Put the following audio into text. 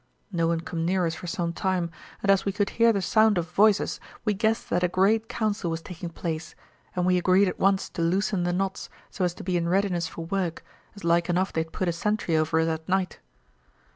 No one come near us for some time, and as we could hear the sound of voices we guessed that a great council was taking place, and we agreed at once to loosen the knots, so as to be in readiness for work, as like enough they'd put a sentry over us at night.